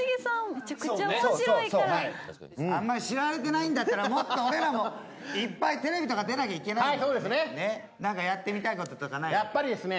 そうそうそうあんまり知られてないんだったらもっと俺らもいっぱいテレビとか出なきゃいけない何かやってみたいこととかないのやっぱりですね